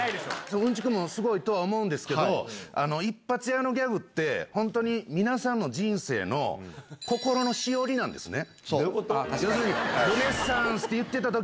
うんちくもすごいと思うんですけども、一発屋のギャグって、本当に、皆さんの人生の心のしおどういうこと？